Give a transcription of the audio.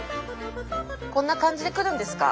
こんな感じで来るんですか？